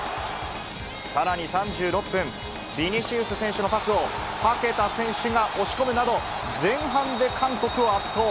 さらに３６分、ヴィニシウス選手のパスを、パケタ選手が押し込むなど、前半で韓国を圧倒。